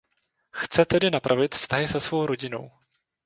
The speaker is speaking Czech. Chce tedy napravit vztahy se svou rodinou.